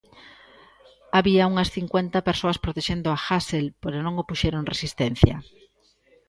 Había unhas cincuenta persoas protexendo a Hasel, pero non opuxeron resistencia.